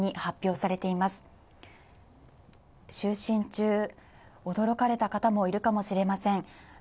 就寝中、驚かれた方もいるかもしれません。